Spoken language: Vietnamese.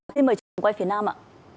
thì mời chương trình quay phía nam ạ